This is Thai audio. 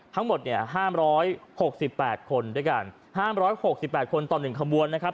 ทั้งหมดเนี่ยห้ามร้อยหกสิบแปดคนด้วยกันห้ามร้อยหกสิบแปดคนต่อหนึ่งขบวนนะครับ